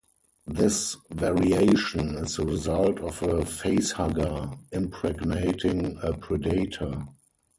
This variation is the result of a facehugger impregnating a Predator.